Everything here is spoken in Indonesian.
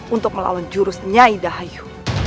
untuk melawan jurus nyai dahayu